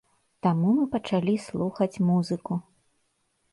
Таму мы пачалі слухаць музыку.